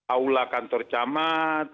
aula kantor camat